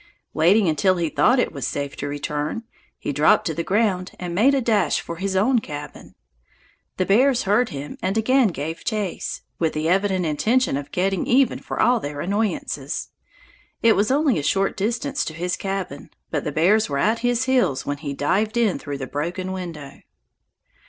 Waiting until he thought it safe to return, he dropped to the ground and made a dash for his own cabin. The bears heard him and again gave chase, with the evident intention of getting even for all their annoyances. It was only a short distance to his cabin, but the bears were at his heels when he dived in through the broken window.